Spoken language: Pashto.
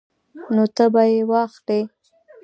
نو ته به یې واخلې